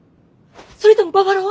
それともババロア？